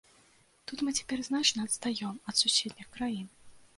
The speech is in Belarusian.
Тут мы цяпер значна адстаём ад суседніх краін.